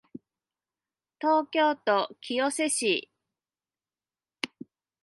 東京都清瀬市